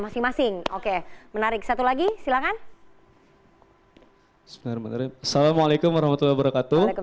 masing masing oke menarik satu lagi silakan assalamualaikum warahmatullahi wabarakatuh